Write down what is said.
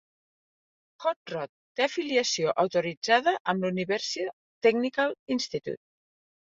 "Hot Rod" té afiliació autoritzada amb l'Universal Technical Institute.